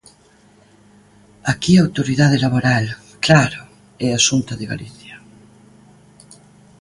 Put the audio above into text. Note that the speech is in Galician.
Aquí a autoridade laboral, ¡claro!, é a Xunta de Galicia.